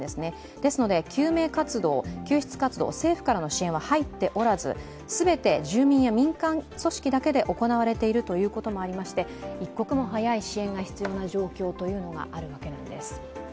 ですので救命活動、救出活動、政府からの支援は入っておらず全て住民や民間組織だけで行われているということもありまして一刻も早い支援が必要な状況というのがあるわけなんです。